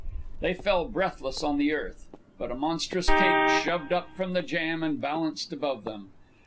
They fell, breathless, on the earth. But a monstrous cake shoved up from the jam and balanced above them.